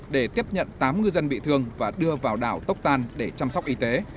để tiếp nhận tám ngư dân bị thương và đưa vào đảo tốc tan để chăm sóc y tế